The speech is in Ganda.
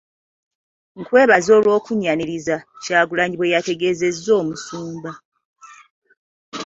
"Nkwebaza olw'okunnyaniriza.” Kyagulanyi bwe yategeezezza Omusumba.